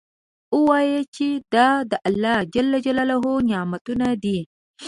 ووایه چې دا د الله نعمتونه دي.